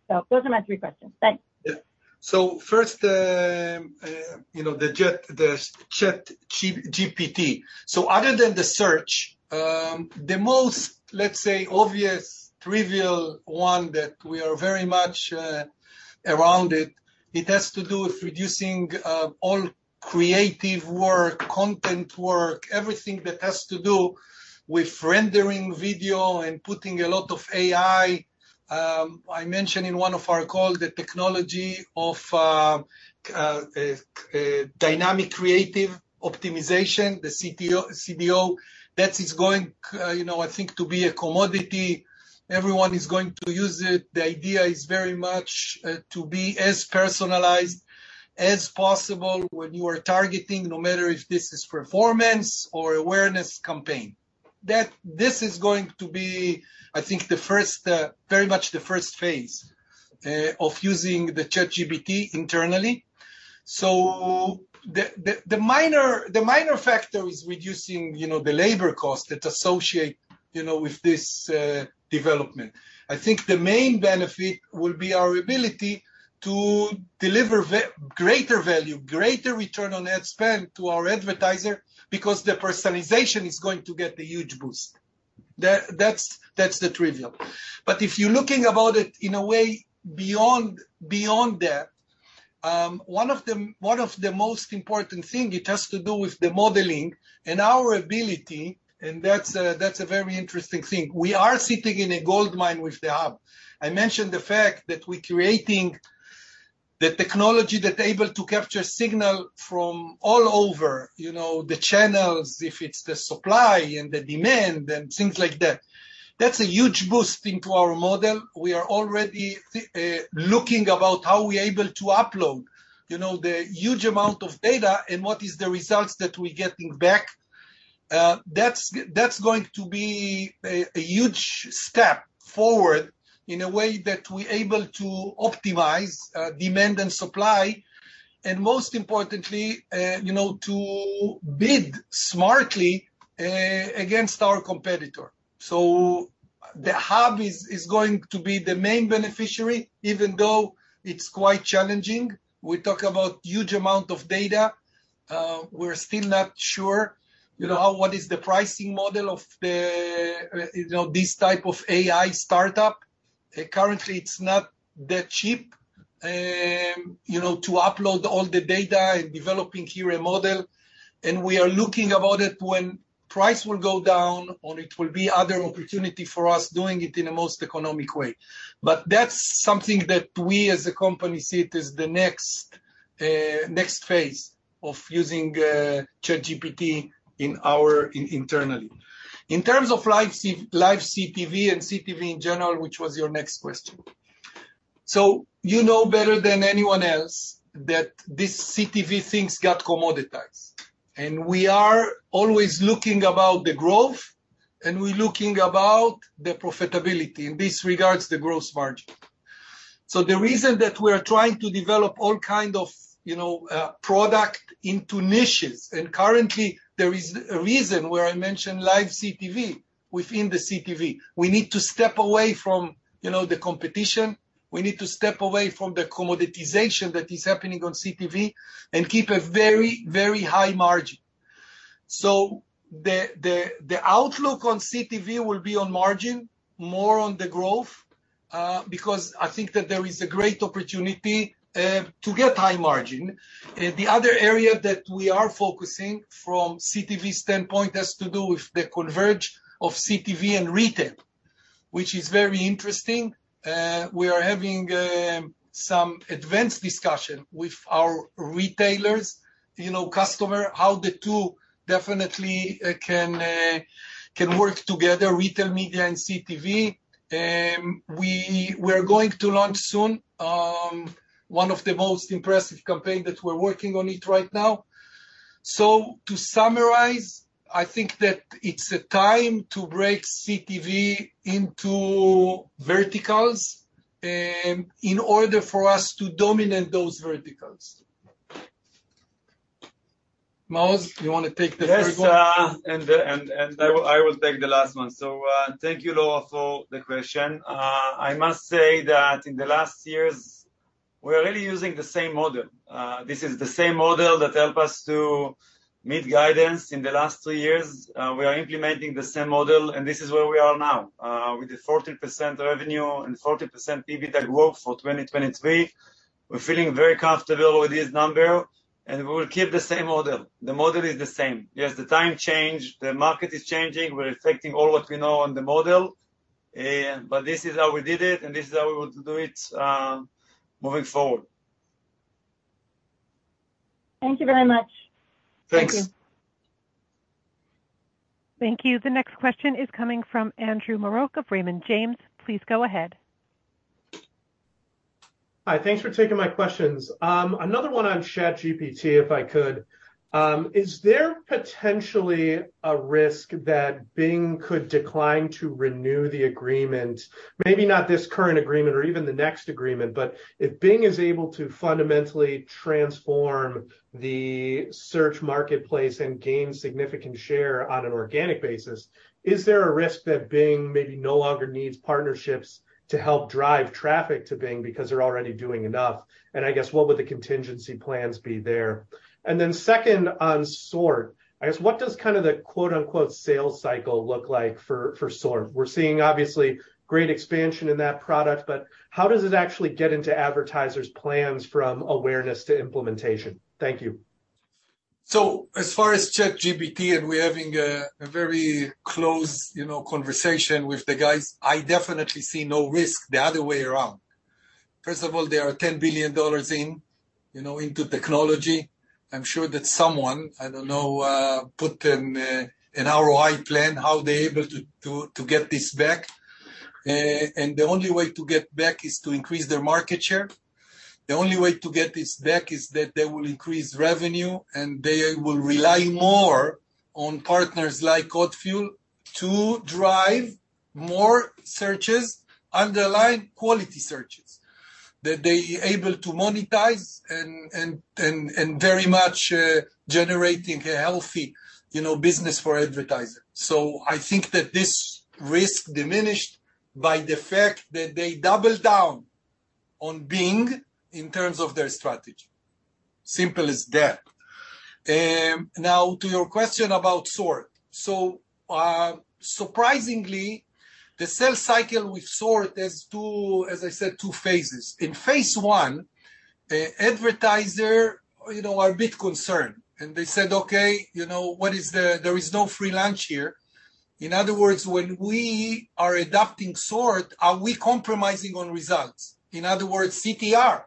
Those are my three questions. Thanks. Yeah. First, you know, the ChatGPT. Other than the search, the most, let's say, obvious trivial one that we are very much around it has to do with reducing all creative work, content work, everything that has to do with rendering video and putting a lot of AI. I mentioned in one of our call the technology of dynamic creative optimization, the CPO, CBO. That is going, you know, I think to be a commodity. Everyone is going to use it. The idea is very much to be as personalized as possible when you are targeting, no matter if this is performance or awareness campaign. That this is going to be, I think, the first, very much the first phase of using the ChatGPT internally. The minor factor is reducing, you know, the labor cost that associate, you know, with this development. I think the main benefit will be our ability to deliver greater value, greater return on ad spend to our advertiser because the personalization is going to get a huge boost. That's the trivial. If you're looking about it in a way beyond that, one of the most important thing, it has to do with the modeling and our ability, and that's a, that's a very interesting thing. We are sitting in a goldmine with the hub. I mentioned the fact that we're creating the technology that able to capture signal from all over, you know, the channels, if it's the supply and the demand and things like that. That's a huge boost into our model. We are already looking about how we're able to upload, you know, the huge amount of data and what is the results that we're getting back. That's, that's going to be a huge step forward in a way that we're able to optimize demand and supply, and most importantly, you know, to bid smartly against our competitor. The hub is going to be the main beneficiary, even though it's quite challenging. We talk about huge amount of data. We're still not sure, you know, what is the pricing model of the, you know, this type of AI startup. Currently, it's not that cheap, you know, to upload all the data and developing here a model. We are looking about it when price will go down or it will be other opportunity for us doing it in a most economic way. That's something that we as a company see it as the next phase of using ChatGPT internally. In terms of live CTV and CTV in general, which was your next question. You know better than anyone else that these CTV things got commoditized. We are always looking about the growth, and we're looking about the profitability, in this regards, the growth margin. The reason that we are trying to develop all kind of, you know, product into niches, and currently there is a reason where I mentioned live CTV within the CTV. We need to step away from, you know, the competition. We need to step away from the commoditization that is happening on CTV and keep a very, very high margin. The outlook on CTV will be on margin, more on the growth, because I think that there is a great opportunity to get high margin. The other area that we are focusing from CTV standpoint has to do with the converge of CTV and retail, which is very interesting. We are having some advanced discussion with our retailers, you know, customer, how the two definitely can work together, retail, media, and CTV. We're going to launch soon one of the most impressive campaign that we're working on it right now. To summarize, I think that it's a time to break CTV into verticals in order for us to dominate those verticals. Maoz, you wanna take the third one? Yes, and I will take the last one. Thank you, Laura, for the question. I must say that in the last years, we are really using the same model. This is the same model that helped us to meet guidance in the last 3 years. We are implementing the same model, and this is where we are now, with the 40% revenue and 40% EBITDA growth for 2023. We're feeling very comfortable with this number, and we will keep the same model. The model is the same. Yes, the time change, the market is changing. We're affecting all what we know on the model, but this is how we did it, and this is how we want to do it, moving forward. Thank you very much. Thanks Thank you. The next question is coming from Andrew Marok, Raymond James. Please go ahead. Hi. Thanks for taking my questions. Another one on ChatGPT, if I could. Is there potentially a risk that Bing could decline to renew the agreement? Maybe not this current agreement or even the next agreement, but if Bing is able to fundamentally transform the search marketplace and gain significant share on an organic basis, is there a risk that Bing maybe no longer needs partnerships to help drive traffic to Bing because they're already doing enough? I guess what would the contingency plans be there? Second, on SORT, I guess, what does kind of the quote-unquote, "sales cycle" look like for SORT? We're seeing obviously great expansion in that product, but how does it actually get into advertisers' plans from awareness to implementation? Thank you. As far as ChatGPT, and we're having a very close, you know, conversation with the guys, I definitely see no risk the other way around. First of all, they are $10 billion in, you know, into technology. I'm sure that someone, I don't know, put an ROI plan, how they're able to get this back. The only way to get back is to increase their market share. The only way to get this back is that they will increase revenue, and they will rely more on partners like CodeFuel to drive more searches, underlying quality searches that they able to monetize and very much generating a healthy, you know, business for advertisers. I think that this risk diminished by the fact that they doubled down on Bing in terms of their strategy. Simple as that. Now to your question about SORT. Surprisingly, the sales cycle with SORT, there's two, as I said, two phases. In phase one, advertiser, you know, are a bit concerned, and they said, "Okay, you know, what is there is no free lunch here." In other words, when we are adopting SORT, are we compromising on results? In other words, CTR?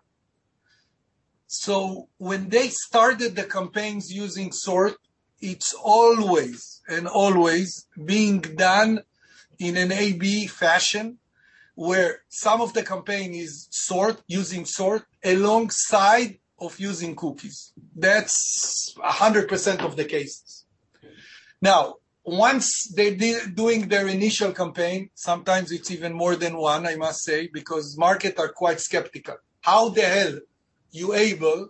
When they started the campaigns using SORT, it's always and always being done in an AB fashion, where some of the campaign is SORT, using SORT alongside of using cookies. That's 100% of the cases. Once they did doing their initial campaign, sometimes it's even more than one, I must say, because markets are quite skeptical. How the hell you able,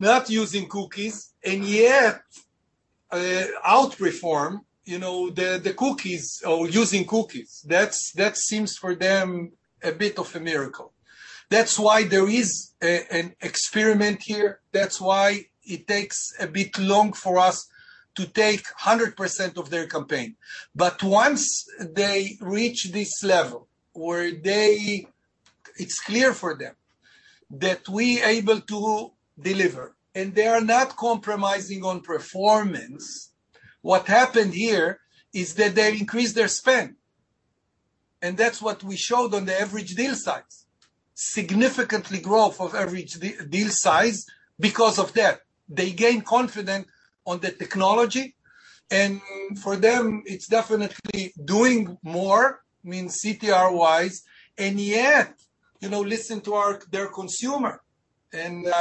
not using cookies, and yet outreform, you know, the cookies or using cookies? That's, that seems for them a bit of a miracle. That's why there is an experiment here. That's why it takes a bit long for us to take 100% of their campaign. Once they reach this level where it's clear for them that we able to deliver, and they are not compromising on performance, what happened here is that they increase their spend. That's what we showed o n the average deal size. Significantly growth of average deal size because of that. They gain confidence on the technology, and for them, it's definitely doing more, mean CTR-wise, and yet, you know, listen to their consumer.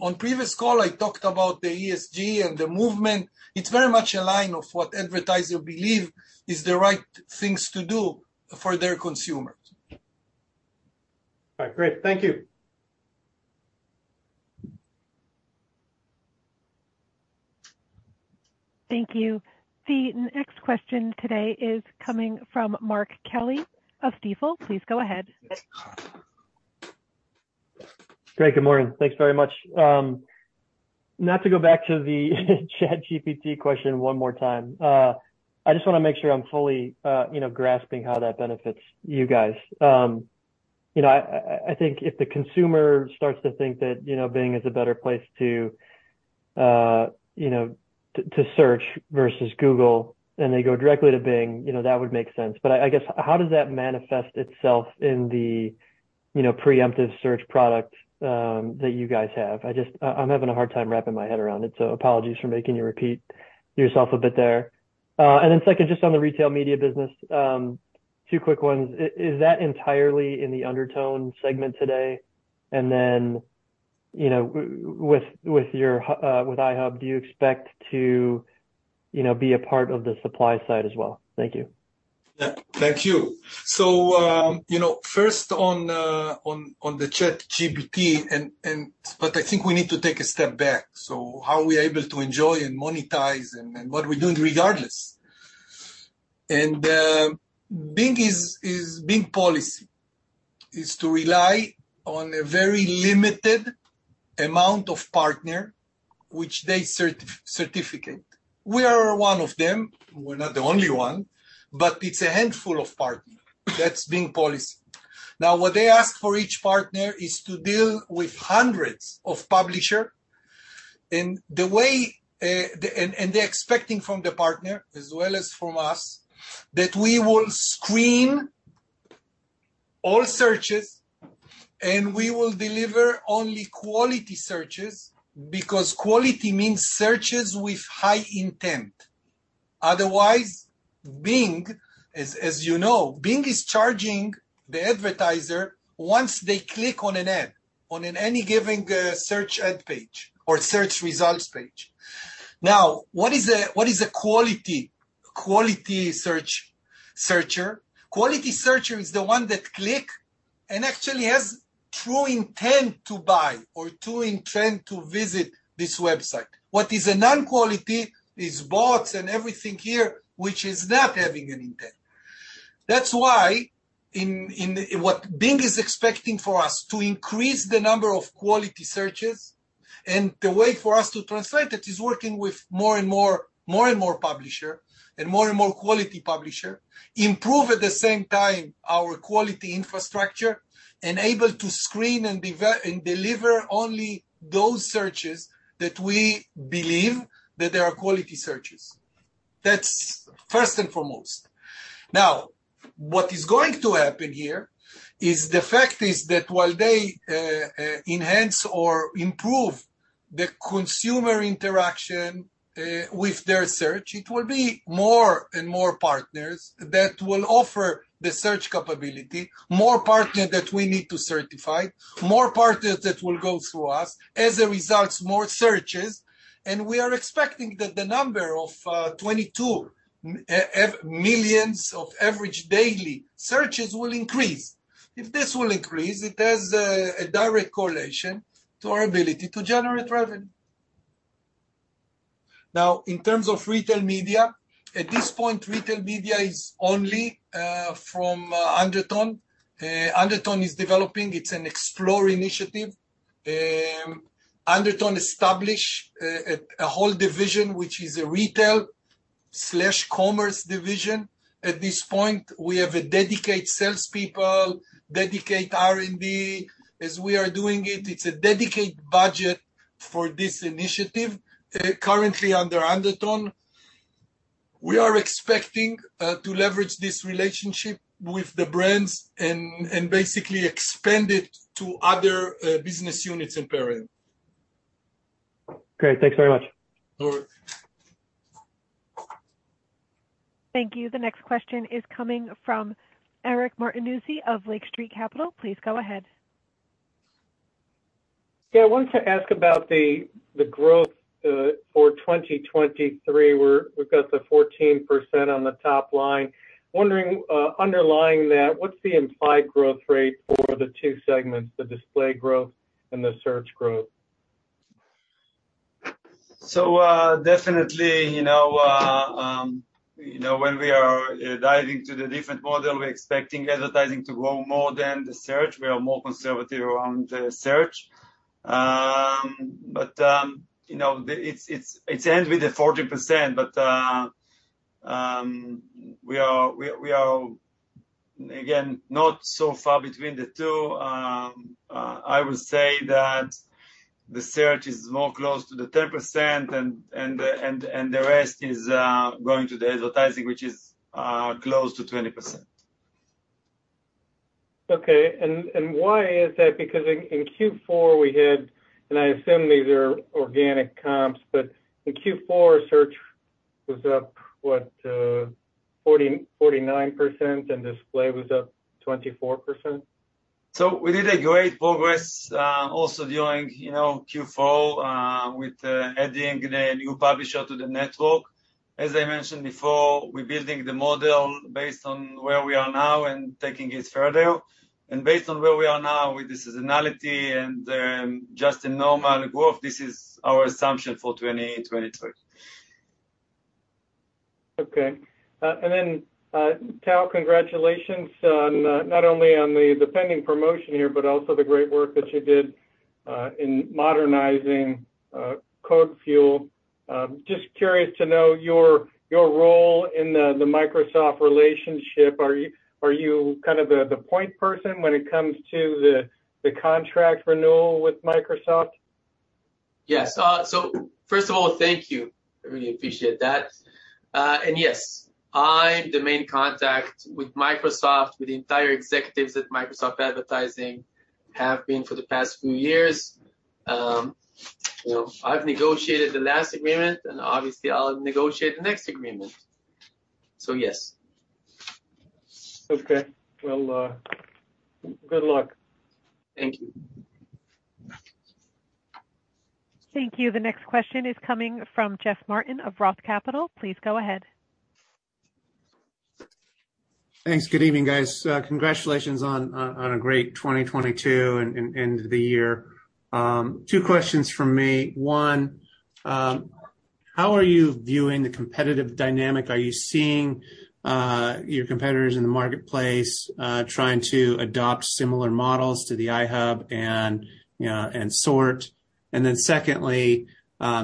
On previous call, I talked about the ESG and the movement. It's very much a line of what advertisers believe is the right things to do for their consumers. All right. Great. Thank you. Thank you. The next question today is coming from Mark Kelley of Stifel. Please go ahead. Great. Good morning. Thanks very much. Not to go back to the ChatGPT question one more time. I just wanna make sure I'm fully, you know, grasping how that benefits you guys. You know, I, I think if the consumer starts to think that, you know, Bing is a better place to, you know, to search versus Google, and they go directly to Bing, you know, that would make sense. I guess how does that manifest itself in the, you know, preemptive search product that you guys have? I'm having a hard time wrapping my head around it, so apologies for making you repeat yourself a bit there. Then second, just on the retail media business, two quick ones. Is that entirely in the Undertone segment today? Then, you know, with your with iHUB, do you expect to, you know, be a part of the supply side as well? Thank you. Yeah. Thank you. You know, first on the ChatGPT. I think we need to take a step back. How are we able to enjoy and monetize and what are we doing regardless? Bing policy is to rely on a very limited amount of partner which they certificate. We are one of them. We're not the only one, but it's a handful of partner. That's Bing policy. What they ask for each partner is to deal with hundreds of publisher in the way and they're expecting from the partner as well as from us, that we will screen all searches, and we will deliver only quality searches because quality means searches with high intent. Otherwise, Bing, as you know, Bing is charging the advertiser once they click on an ad, on any given search ad page or search results page. What is a quality searcher? Quality searcher is the one that click and actually has true intent to buy or true intent to visit this website. What is a non-quality is bots and everything here which is not having an intent. That's why what Bing is expecting for us to increase the number of quality searches, and the way for us to translate it is working with more and more publisher and more and more quality publisher, improve at the same time our quality infrastructure, and able to screen and deliver only those searches that we believe that they are quality searches. That's first and foremost. What is going to happen here is the fact is that while they enhance or improve the consumer interaction with their search, it will be more and more partners that will offer the search capability, more partner that we need to certify, more partners that will go through us. More searches, and we are expecting that the number of 22 million of average daily searches will increase. If this will increase, it has a direct correlation to our ability to generate revenue. In terms of retail media, at this point, retail media is only from Undertone. Undertone is developing, it's an explore initiative. Undertone establish a whole division, which is a retail/commerce division. At this point, we have a dedicated salespeople, dedicated R&D as we are doing it. It's a dedicated budget for this initiative, currently under Undertone. We are expecting to leverage this relationship with the brands and basically expand it to other business units in Perion. Great. Thanks very much. No worries. Thank you. The next question is coming from Eric Martinuzzi of Lake Street Capital. Please go ahead. Yeah. I wanted to ask about the growth for 2023, where we've got the 14% on the top line. Wondering, underlying that, what's the implied growth rate for the two segments, the display growth and the search growth? Definitely, you know, you know, when we are diving to the different model, we're expecting advertising to grow more than the search. We are more conservative around the search. You know, it's, it ends with the 40%, but we are, again, not so far between the two. I would say that the search is more close to the 10% and the rest is going to the advertising, which is close to 20%. Okay. Why is that? Because in Q4 and I assume these are organic comps, but in Q4, search was up, what, 49%, and display was up 24%. We did a great progress, also during, you know, Q4, with adding the new publisher to the network. As I mentioned before, we're building the model based on where we are now and taking it further. Based on where we are now with the seasonality and just a normal growth, this is our assumption for 2022. Okay. Tal, congratulations on not only on the pending promotion here, but also the great work that you did in modernizing CodeFuel. Just curious to know your role in the Microsoft relationship. Are you, are you kind of the point person when it comes to the contract renewal with Microsoft? Yes. First of all, thank you. I really appreciate that. Yes, I'm the main contact with Microsoft, with the entire executives at Microsoft Advertising, have been for the past few years. You know, I've negotiated the last agreement, and obviously I'll negotiate the next agreement. Yes. Okay. Well, good luck. Thank you. Thank you. The next question is coming from Jeff Martin of Roth Capital. Please go ahead. Thanks. Good evening, guys. Congratulations on a great 2022 and end of the year. Two questions from me. One, how are you viewing the competitive dynamic? Are you seeing your competitors in the marketplace, trying to adopt similar models to the iHUB and SORT? Secondly,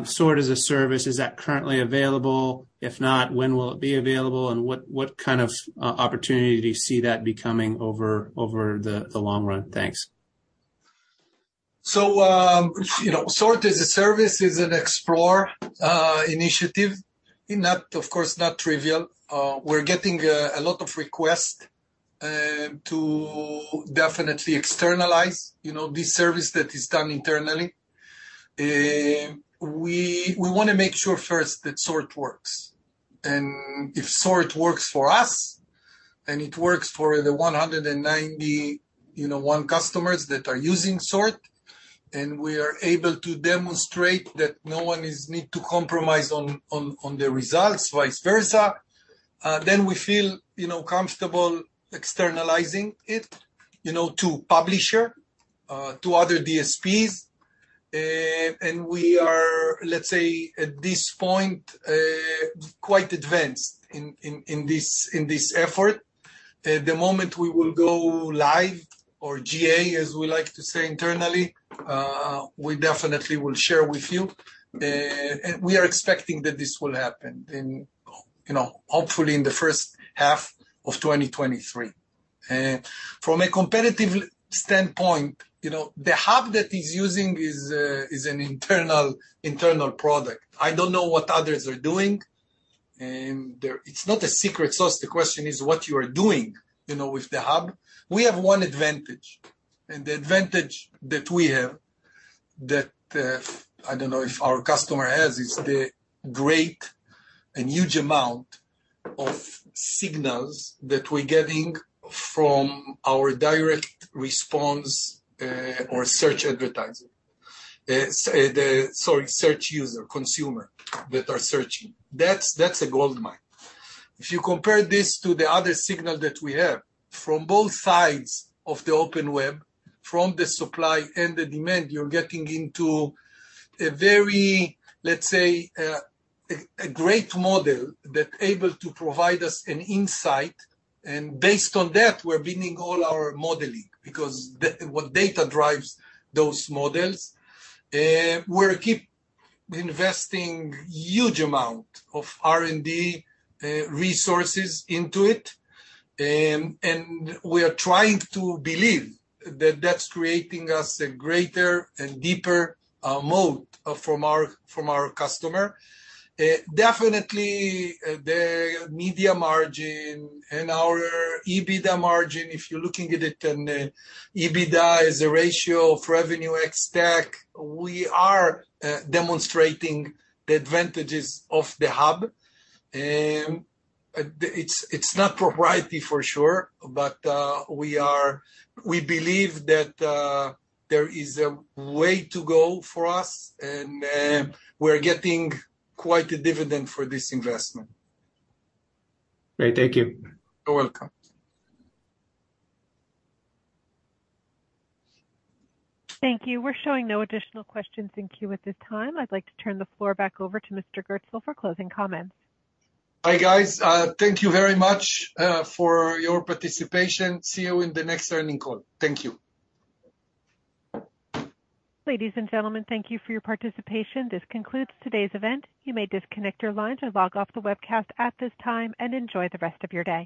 SORT as a service, is that currently available? If not, when will it be available, and what kind of opportunity do you see that becoming over the long run? Thanks. you know, SORT as a service is an explore initiative, in that, of course, not trivial. We're getting a lot of requests to definitely externalize, you know, this service that is done internally. We wanna make sure first that SORT works. If SORT works for us, and it works for the 190, you know, one customers that are using SORT, and we are able to demonstrate that no one is need to compromise on, on the results, vice versa, then we feel, you know, comfortable externalizing it, you know, to publisher, to other DSPs. We are, let's say, at this point, quite advanced in this effort. The moment we will go live or GA, as we like to say internally, we definitely will share with you. We are expecting that this will happen in, you know, hopefully in the first half of 2023. From a competitive standpoint, you know, the Intelligent HUB that is using is an internal product. I don't know what others are doing. It's not a secret sauce. The question is what you are doing, you know, with the Intelligent HUB. We have one advantage, and the advantage that we have that, I don't know if our customer has, is the great and huge amount of signals that we're getting from our direct response, or search advertising. Sorry, search user, consumer that are searching. That's a goldmine. If you compare this to the other signal that we have from both sides of the open web, from the supply and the demand, you're getting into a very, let's say, a great model that able to provide us an insight. Based on that, we're building all our modeling, because what data drives those models. We'll keep investing huge amount of R&D resources into it. And we are trying to believe that that's creating us a greater and deeper moat from our customer. Definitely the media margin and our EBITDA margin, if you're looking at it, and EBITDA is a ratio of Revenue ex-TAC, we are demonstrating the advantages of the HUB. It's not proprietary for sure, but we believe that there is a way to go for us, and we're getting quite a dividend for this investment. Great. Thank you. You're welcome. Thank you. We're showing no additional questions in queue at this time. I'd like to turn the floor back over to Mr. Gerstel for closing comments. Bye, guys. Thank you very much, for your participation. See you in the next earnings call. Thank you. Ladies and gentlemen, thank you for your participation. This concludes today's event. You may disconnect your lines or log off the webcast at this time. Enjoy the rest of your day.